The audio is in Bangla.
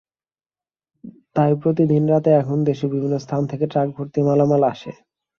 তাই প্রতিদিন রাতে এখানে দেশের বিভিন্ন স্থান থেকে ট্রাকভর্তি মালামাল আসে।